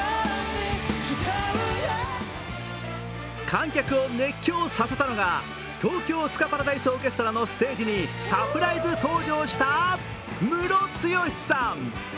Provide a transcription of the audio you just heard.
観客を熱狂させたのが、東京スカパラダイスオーケストラのステージにサプライズ登場したムロツヨシさん。